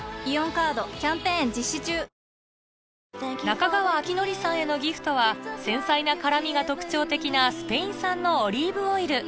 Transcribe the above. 中川晃教さんへのギフトは繊細な辛みが特徴的なスペイン産のオリーブオイル